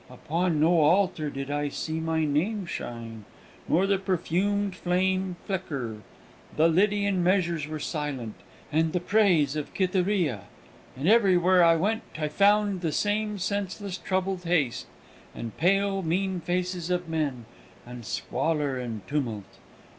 Upon no altar did I see my name shine, nor the perfumed flame flicker; the Lydian measures were silent, and the praise of Cytherea. And everywhere I went I found the same senseless troubled haste, and pale mean faces of men, and squalor, and tumult.